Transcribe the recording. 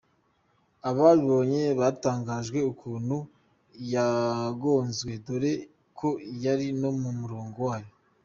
Ababibonye batangajwe ukuntu yagonzwe dore ko yari no mu murongo wayo.